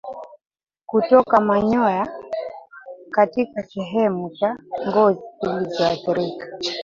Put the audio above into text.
Kutoka manyoya katika sehemu za ngozi zilizoathirika